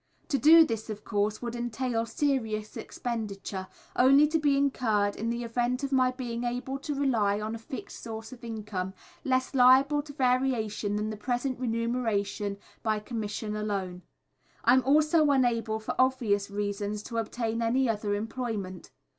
To do this of course would entail serious expenditure, only to be incurred in the event of my being able to rely on a fixed source of income, less liable to variation than the present remuneration by Commission alone. I am also unable for obvious reasons to obtain any other employment.